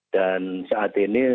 dan saat ini